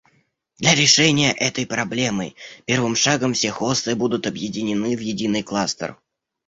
Для решения этой проблемы первым шагом все хосты будут объединены в единый кластер